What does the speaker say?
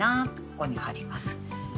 ここに貼ります。